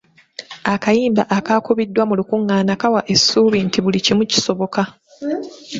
Akayimba akakubiddwa mu lukungaana kawa essuubi nti buli kimu kisoboka.